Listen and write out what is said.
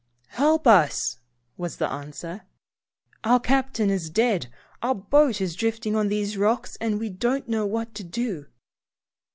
"Help us!" was the answer. "Our captain is dead. Our boat is drifting on these rocks, and we don't know what to do."